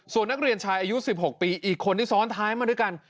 ส่วนนักเรียนชายอายุ๑๖ปีอีกคนที่ซ้อนท้ายมาด้วยกัน